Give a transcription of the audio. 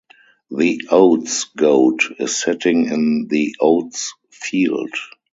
The Oats Goat is sitting in the oats field.